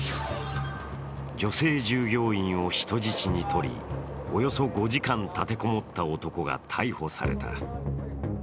女性従業員を人質にとり、およそ５時間立て籠もった男が逮捕された。